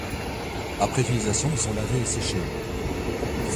Après utilisation, ils sont lavés et séchés.